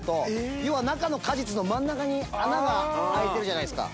要は中の果実の真ん中に穴が開いてるじゃないですか。